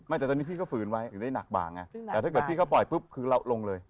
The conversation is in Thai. แต่ตอนนี้พี่ก็ฝืนไว้ถึงได้หนักบางไงแต่ถ้าเกิดพี่เขาปล่อยปุ๊บคือเราลงเลย